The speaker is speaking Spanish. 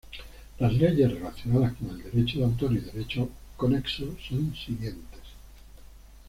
Las leyes relacionadas con el derecho de autor y derechos conexos son siguientes.